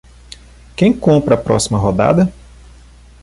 Quem compra a próxima rodada?